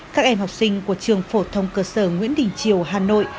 các em học sinh của trường phổ thông cơ sở nguyễn đình triều hà nội